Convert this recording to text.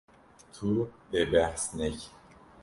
Tu dê behs nekî.